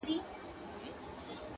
غم لړلی نازولی دی کمکی دی!.